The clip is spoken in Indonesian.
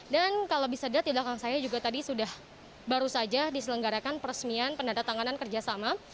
dan kalau bisa dilihat di belakang saya juga tadi sudah baru saja diselenggarakan peresmian pendatanganan kerjasama